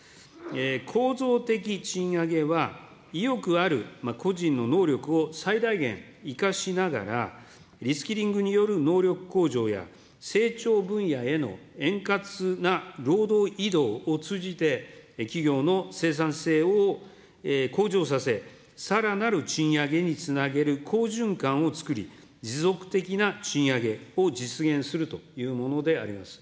構造的賃上げは、意欲ある個人の能力を最大限生かしながら、リスキリングによる能力向上や、成長分野への円滑な労働移動を通じて、企業の生産性を向上させ、さらなる賃上げにつなげる好循環を作り、持続的な賃上げを実現するというものであります。